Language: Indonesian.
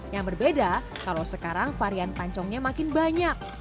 yang berbeda kalau sekarang varian pancongnya makin banyak